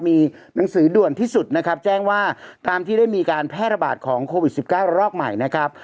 มีหนังสือด่วนที่สุดนะครับแจ้งว่าตามที่ได้มีการแพร่ระบาดของโควิด๑๙รอกใหม่นะครับ